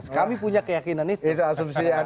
kami punya keyakinan itu